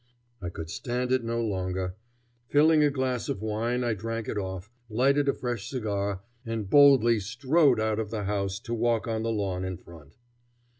I could stand it no longer. Filling a glass of wine I drank it off, lighted a fresh cigar, and boldly strode out of the house to walk on the lawn in front.